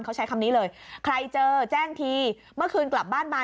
เขาใช้คำนี้เลยใครเจอแจ้งทีเมื่อคืนกลับบ้านมา